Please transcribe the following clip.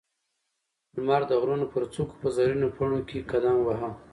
لمر لا د غرونو پر څوکو په زرينو پڼو کې قدم واهه.